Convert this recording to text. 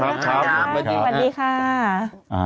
ดต่านาปุนะครับอ่ะ